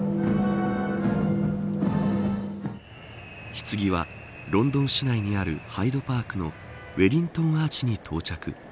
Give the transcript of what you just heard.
ひつぎはロンドン市内にあるハイドパークのウェリントンアーチに到着。